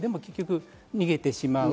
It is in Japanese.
でも、結局逃げてしまう。